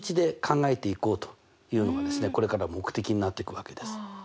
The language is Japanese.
これから目的になっていくわけです。